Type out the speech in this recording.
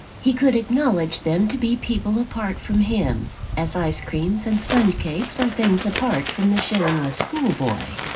He could acknowledge them to be people apart from him, as ice creams and sponge cakes are things apart from the shillingless schoolboy.